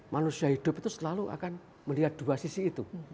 manusia hidup itu selalu akan melihat dua sisi itu